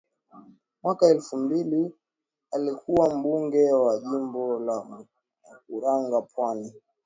Mwaka elfu mbili alikua mbunge wa Jimbo la Mkuranga Pwani